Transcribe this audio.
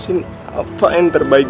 gimana udah kemaguman capacis